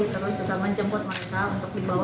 terus juga menjemput mereka untuk dibawa